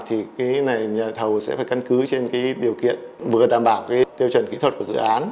thì nhà thầu sẽ phải căn cứ trên điều kiện vừa đảm bảo tiêu chuẩn kỹ thuật của dự án